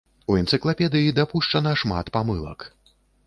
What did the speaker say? У энцыклапедыі дапушчана шмат памылак.